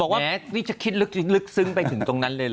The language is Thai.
ว่านี่จะคิดลึกซึ้งไปถึงตรงนั้นเลยเหรอ